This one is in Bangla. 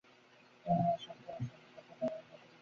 – তোমার ঐ সভ্য-অসভ্যর কথাটা এই পরশু থেকে বলছ।